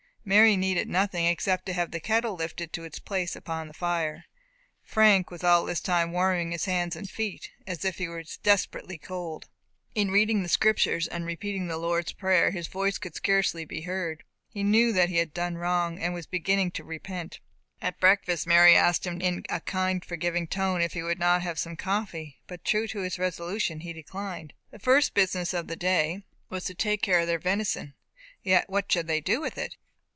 Mary needed nothing, except to have the kettle lifted to its place upon the fire. Frank was all this time warming his hands and feet, as if he was desperately cold. In reading the Scriptures, and repeating the Lord's Prayer, his voice could scarcely be heard; he knew that he had done wrong, and was beginning to repent. At breakfast, Mary asked him in a kind, forgiving tone, if he would not have some coffee; but true to his resolution he declined. The first business of the day was to take care of their venison. Yet what should they do with it?